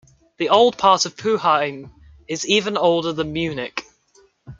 The old part of Puchheim is even older than Munich.